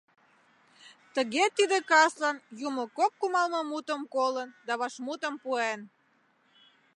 Тыге тиде каслан Юмо кок кумалмымутым колын да вашмутым пуэн.